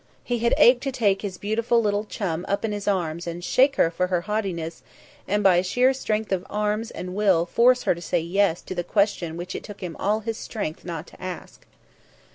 He had ached to take his beautiful little chum up in his arms and shake her for her haughtiness and by sheer strength of arms and will force her to say "yes" to the question which it took him all his strength not to ask.